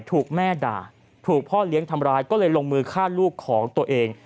ถูกแม่ด่าถูกพ่อเลี้ยงทำร้ายก็เลยลงมือฆ่าลูกของตัวเอง